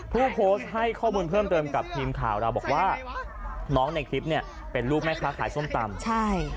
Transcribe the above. ผู้โพสต์ให้ข้อมูลเพิ่มเติมกับทีมข่าวเราบอกว่าน้องในคลิปเนี่ยเป็นลูกแม่ค้าขายส้มตำใช่